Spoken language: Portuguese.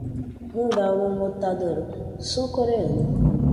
Hyundai é uma montadora sul-coreana.